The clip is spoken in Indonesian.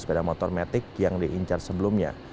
sepeda motor metik yang diincar sebelumnya